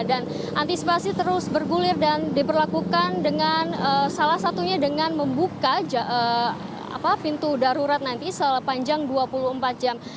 dan antisipasi terus bergulir dan diperlakukan dengan salah satunya dengan membuka pintu darurat nanti selama panjang dua puluh empat jam